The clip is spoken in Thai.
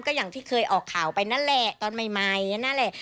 ก็อย่างที่เคยออกข่าวไปนั่นแหละตอนใหม่นั่นแหละ